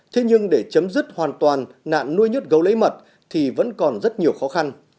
thế nhưng để chấm dứt hoàn toàn nạn nuôi nhốt gấu lấy mật thì vẫn còn rất nhiều khó khăn